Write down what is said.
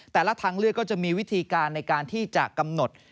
ทางเลือกก็จะมีวิธีการในการที่จะกำหนด